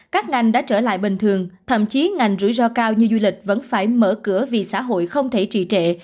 các ngành đã trở lại bình thường thậm chí ngành rủi ro cao như du lịch vẫn phải mở cửa vì xã hội không thể trị trệ